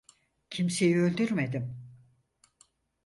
Kimseyi öldürmedim.